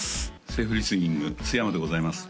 セーフリスニング須山でございます